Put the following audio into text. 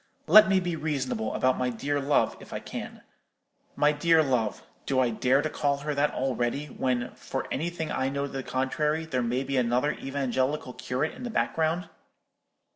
Let me be reasonable about my dear love, if I can. My dear love—do I dare to call her that already, when, for anything I know to the contrary, there may be another evangelical curate in the background?